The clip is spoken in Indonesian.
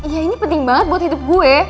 ya ini penting banget buat hidup gue